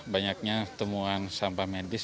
banyaknya temuan sampah medis